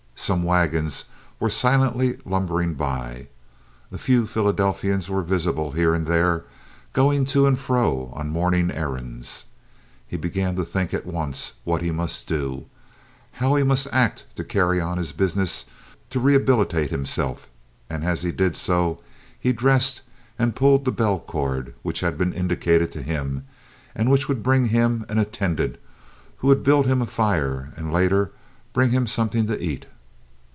Some wagons were silently lumbering by. A few Philadelphians were visible here and there, going to and fro on morning errands. He began to think at once what he must do, how he must act to carry on his business, to rehabilitate himself; and as he did so he dressed and pulled the bell cord, which had been indicated to him, and which would bring him an attendant who would build him a fire and later bring him something to eat.